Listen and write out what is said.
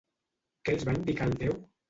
Què els va indicar el déu?